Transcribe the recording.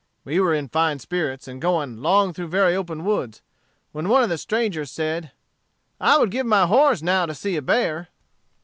We were in fine spirits, and going 'long through very open woods, when one of the strangers said, 'I would give my horse now to see a bear.'